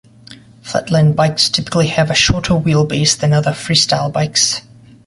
Flatland bikes typically have a shorter wheelbase than other freestyle bikes.